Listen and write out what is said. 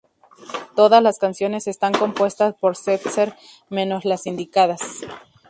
Todas las canciones están compuestas por Setzer menos las indicadas.